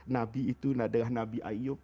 nabi itu adalah nabi ayub